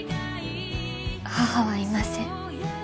母はいません